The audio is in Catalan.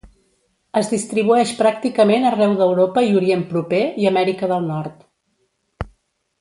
Es distribueix pràcticament arreu d'Europa i Orient Proper i Amèrica del Nord.